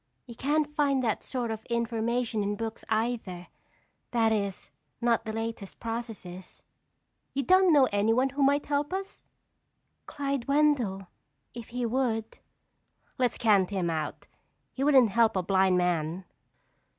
"You can't find that sort of information in books either—that is, not the latest processes." "You don't know anyone who might help us?" "Clyde Wendell, if he would." "Let's count him out. He wouldn't help a blind man."